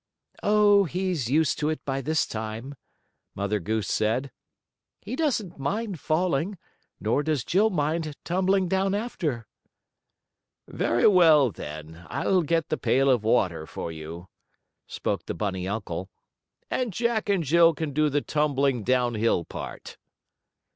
"Oh, he's used to it by this time," Mother Goose said. "He doesn't mind falling, nor does Jill mind tumbling down after." "Very well, then, I'll get the pail of water for you," spoke the bunny uncle, "and Jack and Jill can do the tumbling down hill part."